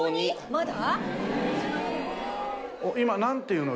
まだ？